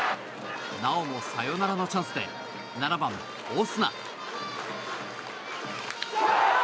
なおもサヨナラのチャンスで７番、オスナ。